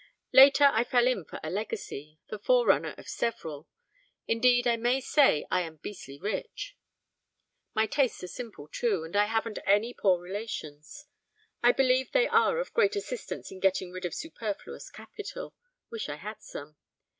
Later I fell in for a legacy, the forerunner of several; indeed, I may say I am beastly rich. My tastes are simple too, and I haven't any poor relations. I believe they are of great assistance in getting rid of superfluous capital, wish I had some!